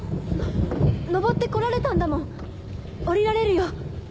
上って来られたんだもん下りられるよ。